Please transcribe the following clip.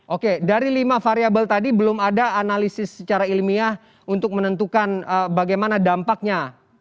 oke dari lima variable tadi belum ada analisis secara ilmiah untuk menentukan bagaimana dampaknya